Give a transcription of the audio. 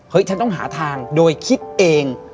ฉันต้องหาทางโดยคิดเอง